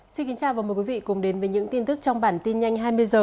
xin kính chào và mời quý vị cùng đến với những tin tức trong bản tin nhanh hai mươi h